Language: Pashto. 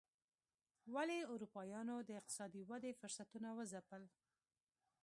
ولې اروپایانو د اقتصادي ودې فرصتونه وځپل.